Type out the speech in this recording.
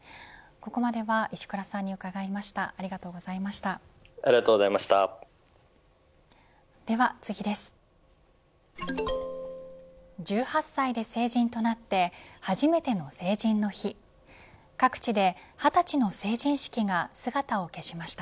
ここまでは石倉さんに伺いました。